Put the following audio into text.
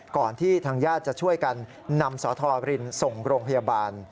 ที่ทางญาติจะช่วยกันนำสธรินส่งโรงพยาบาล